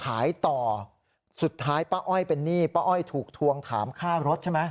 ขายต่อสุดท้ายป้าอ้อยเป็นหนี้ป้าอ้อยถูกทวงถามค่ารถใช่ไหม